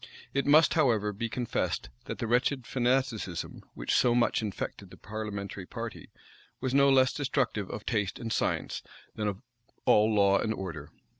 It must, however, be confessed, that the wretched fanaticism, which so much infected the parliamentary party, was no less destructive of taste and science, than of all law and order.